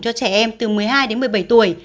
cho trẻ em từ một mươi hai đến một mươi bảy tuổi